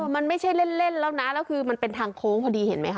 มันไม่ใช่เล่นแล้วนะแล้วคือมันเป็นทางโค้งพอดีเห็นไหมค